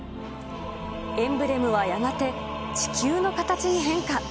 エンブレムはやがて地球の形に変化。